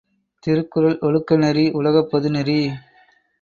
திருக்குறள் ஒழுக்க நெறி உலகப் பொதுநெறி.